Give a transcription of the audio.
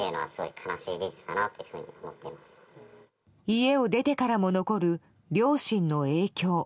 家を出てからも残る両親の影響。